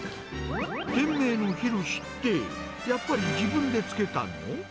店名のひろしって、やっぱり自分でつけたの？